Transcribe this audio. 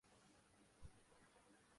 کہ greenhouse effect کیا ہے